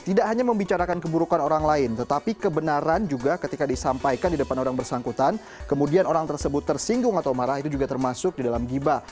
tidak hanya membicarakan keburukan orang lain tetapi kebenaran juga ketika disampaikan di depan orang bersangkutan kemudian orang tersebut tersinggung atau marah itu juga termasuk di dalam gibah